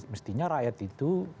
mestinya rakyat itu